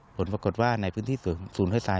ผลปรากฏว่าในพื้นที่ศูนย์ห้วยทราย